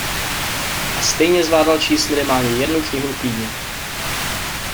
A stejně zvládal číst minimálně jednu knihu týdně.